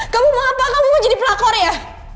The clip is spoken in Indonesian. kamu mau apa kamu mau jadi pelakor ya